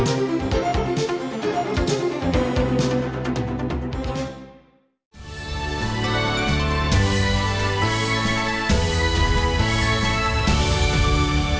hẹn gặp lại